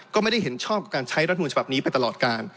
ก็ไม่ได้เห็นชอบกับการใช้รัฐมนูลฉบับนี้ไปตลอดการ